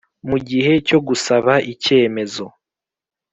mu gihe cyo gusaba icyemezo.